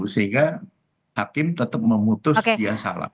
sehingga hakim tetap memutus dia salah